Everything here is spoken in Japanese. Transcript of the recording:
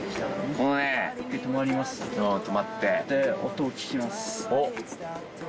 音を聞きます。